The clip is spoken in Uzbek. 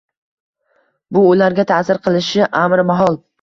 bu ularga ta’sir qilishi amri mahol.